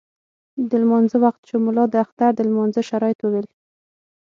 د لمانځه وخت شو، ملا د اختر د لمانځه شرایط وویل.